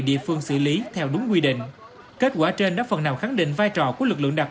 địa phương xử lý theo đúng quy định kết quả trên đã phần nào khẳng định vai trò của lực lượng đặc